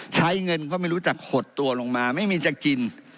ใช้เงินก็ไม่รู้จักหดตัวลงมาไม่มีจะกิน